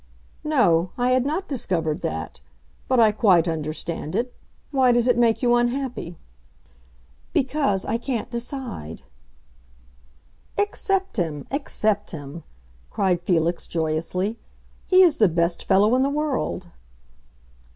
"No, I had not discovered that. But I quite understand it. Why does it make you unhappy?" "Because I can't decide." "Accept him, accept him!" cried Felix, joyously. "He is the best fellow in the world."